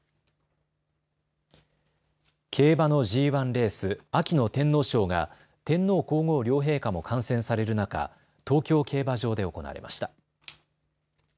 競馬のＧＩレース、秋の天皇賞が天皇皇后両陛下も観戦される中、東京競馬場で行われました。